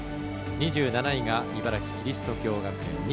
２７位が茨城キリスト教学園。